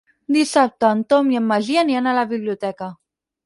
Dissabte en Tom i en Magí aniran a la biblioteca.